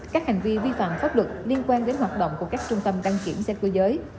các hành vi vi phạm pháp luật liên quan đến hoạt động của các trung tâm đăng kiểm xe cơ giới